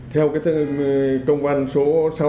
theo công văn số